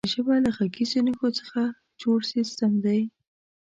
ژبه له غږیزو نښو څخه جوړ سیستم دی.